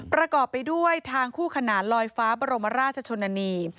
ประกอบไปด้วยทางคู่ขนานลอยฟ้าบรมราชชนนานี